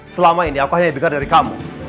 selama ini aku hanya dengar dari kamu